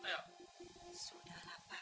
sekarang sedang kita menikmati bagaimana menurut bapak